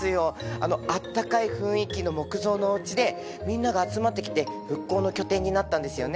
あのあったかい雰囲気の木造のおうちでみんなが集まってきて復興の拠点になったんですよね。